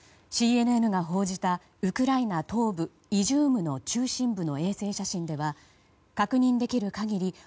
ＣＮＮが報じたウクライナ東部イジュームの中心部の衛星写真では確認できる限り